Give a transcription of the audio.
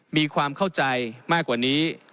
มีความเข้าใจมากกว่านี้